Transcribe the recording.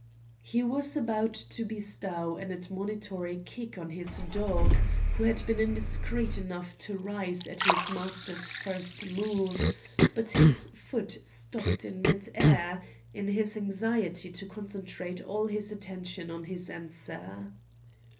He was about to bestow an admonitory kick on his dog, who had been indiscreet enough to rise at his master's first move, but his foot stopped in mid air, in his anxiety to concentrate all his attention on his answer.